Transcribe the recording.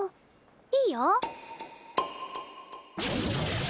いいよ。